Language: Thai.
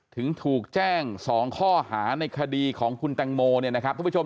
ถึงถูกแจ้ง๒ข้อหาในคดีของคุณแตงโมเนี่ยนะครับทุกผู้ชม